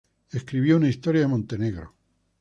Escribió una historia de Montenegro.